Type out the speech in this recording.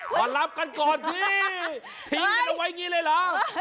มารับกันก่อนพี่ทิ้งกันเอาไว้อย่างนี้เลยเหรอ